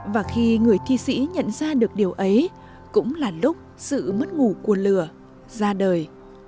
và khi người thi sĩ nhận ra được điều ấy cũng là lúc sự mất ngủ của lửa ra đời